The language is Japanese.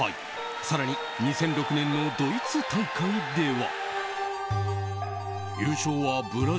更に、２００６年のドイツ大会では。